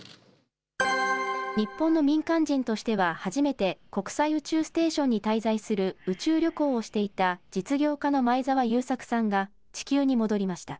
日本の民間人としては初めて、国際宇宙ステーションに滞在する宇宙旅行をしていた実業家の前澤友作さんが地球に戻りました。